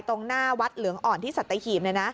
ตรงหน้าวัดเหลืองอ่อนที่สัตหีบ